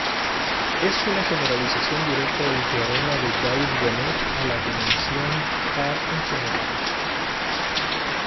Es una generalización directa del teorema de Gauss-Bonnet a la dimensión par en general.